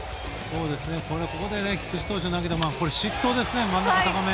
ここで菊池投手投げて失投ですね真ん中高め。